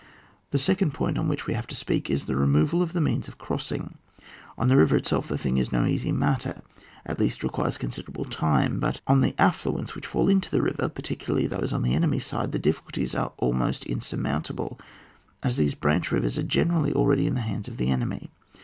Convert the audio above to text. The second point on which we have to speak, is the removal of the means of crossing. — On the river itself the thing is no easy matter, at least requires con siderable time ; but on the affluents which fall into the river, particularly those on the enemy's side, the difficulties are al most insurmountable, as these branch rivers are generally already in the hands of the enemy.